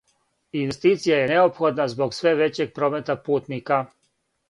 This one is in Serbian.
Инвестиција је неопходна због све већег промета путника.